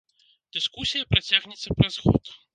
Дыскусія працягнецца праз год.